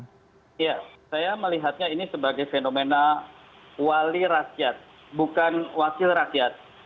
ya saya melihatnya ini sebagai fenomena wali rakyat bukan wakil rakyat